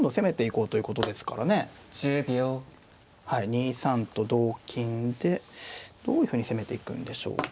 ２三と同金でどういうふうに攻めていくんでしょうか。